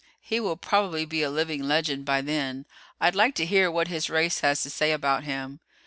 He will probably be a living legend by then. I'd like to hear what his race has to say about him.